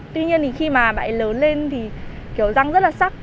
tuy nhiên thì khi mà bạn ấy lớn lên thì kiểu răng rất là sắc